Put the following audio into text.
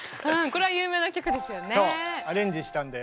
これは有名な曲ですよね。